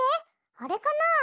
あれかな？